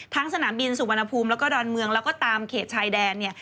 สนามบินสุวรรณภูมิแล้วก็ดอนเมืองแล้วก็ตามเขตชายแดนเนี่ย